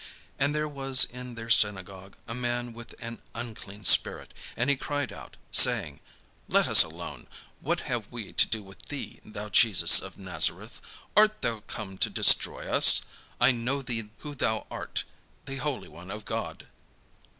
And there was in their synagogue a man with an unclean spirit; and he cried out, saying: "Let us alone; what have we to do with thee, thou Jesus of Nazareth? Art thou come to destroy us? I know thee who thou art, the Holy One of God."